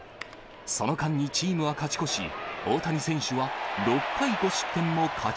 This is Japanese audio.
その間にチームは勝ち越し、大谷選手は６回５失点も勝ち